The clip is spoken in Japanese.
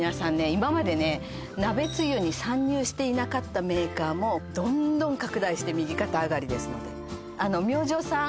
今までね鍋つゆに参入していなかったメーカーもどんどん拡大して右肩上がりですので明星さん